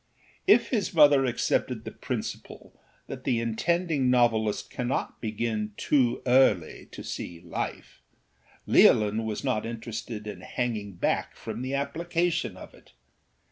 If his mother accepted the principle that the intending novelist cannot begin too early to see life, Leolin was not interested in hanging back from the application of it.